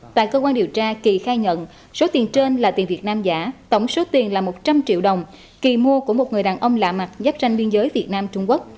tại cơ quan điều tra kỳ khai nhận số tiền trên là tiền việt nam giả tổng số tiền là một trăm linh triệu đồng kỳ mua của một người đàn ông lạ mặt giáp ranh biên giới việt nam trung quốc